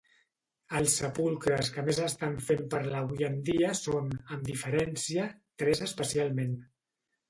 Els sepulcres que més estan fent parlar avui en dia són, amb diferència, tres especialment.